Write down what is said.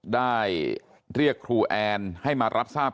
ได้เรียกครูแอนให้มารับทราบ